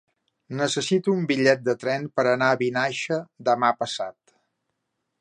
Necessito un bitllet de tren per anar a Vinaixa demà passat.